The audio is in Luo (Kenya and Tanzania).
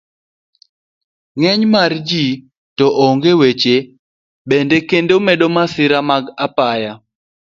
Ng'eny mar ji to gi geche bende medo masira mag apaya.